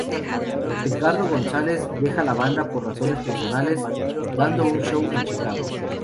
Edgardo Gonzales deja la banda por razones personales, dando un show en Chicago.